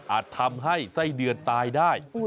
ทำให้ไส้เดือนตายได้